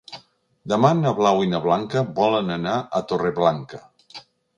Demà na Blau i na Blanca volen anar a Torreblanca.